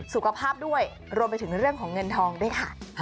สุขภาพด้วยรวมไปถึงเรื่องของเงินทองด้วยค่ะ